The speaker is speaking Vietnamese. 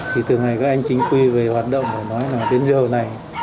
thì từ ngày các anh chính quy về hoạt động nói đến giờ này